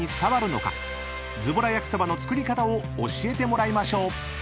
［ズボラ焼きそばの作り方を教えてもらいましょう］